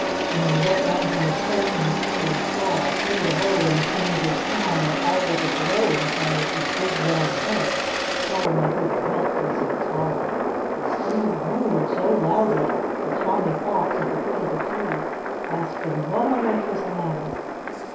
And when he looked down from his perch in the tree and saw, through the hole in the stranger's crown, that all was aglow inside his big, round head, Solomon couldn't help voicing his horror. He "whoo whooed" so loudly that Tommy Fox, at the foot of the tree, asked him what on earth was the matter.